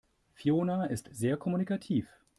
Fiona ist sehr kommunikativ.